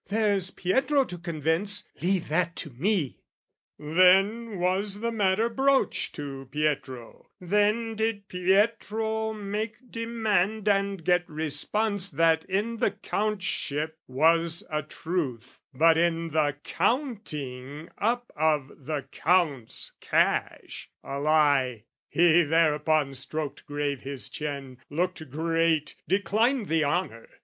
"There's Pietro to convince: leave that to me!" Then was the matter broached to Pietro; then Did Pietro make demand and get response That in the Countship was a truth, but in The counting up of the Count's cash, a lie: He thereupon stroked grave his chin, looked great, Declined the honour.